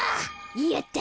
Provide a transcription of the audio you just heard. やった！